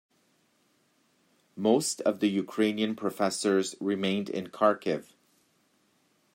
Most of the Ukrainian professors remained in Kharkiv.